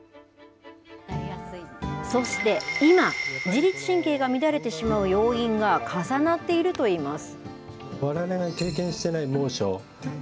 そして、今、自律神経が乱れてしまう要因が重なっているといいます。